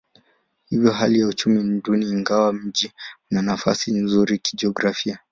Hivyo hali ya uchumi ni duni ingawa mji una nafasi nzuri kijiografia.